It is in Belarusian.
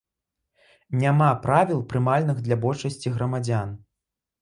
Няма правіл, прымальных для большасці грамадзян.